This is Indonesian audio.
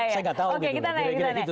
saya gak tahu gitu